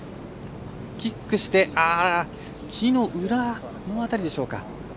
キックして木の裏の辺りでしょうか。